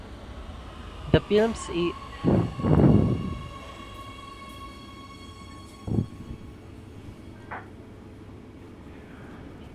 The film is adapted from Lorenzo Mattotti's comic, Stigmate.